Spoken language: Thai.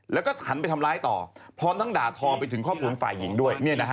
แล้วก็หันไปทำร้ายต่อพร้อมทั้งด่าทอไปถึงข้อมูลฝ่ายหญิงด้วย